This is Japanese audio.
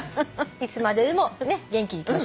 いつまででも元気にいきましょう。